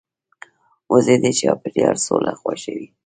وزې د چاپېریال سوله خوښوي